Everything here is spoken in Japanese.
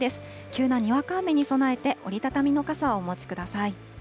急なにわか雨に備えて、折り畳みの傘をお持ちください。